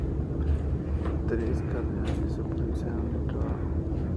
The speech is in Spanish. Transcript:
Tres cardenales supervisaron el trabajo.